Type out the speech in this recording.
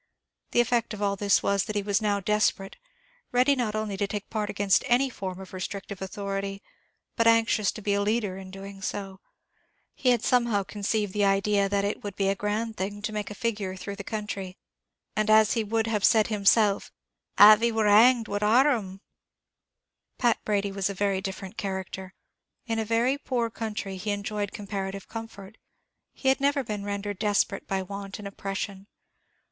The effect of all this was, that he was now desperate; ready not only to take part against any form of restrictive authority, but anxious to be a leader in doing so; he had somehow conceived the idea that it would be a grand thing to make a figure through the country; and, as he would have said himself, "av he were hanged, what harum?" Pat Brady was a very different character. In a very poor country he enjoyed comparative comfort; he had never been rendered desperate by want and oppression.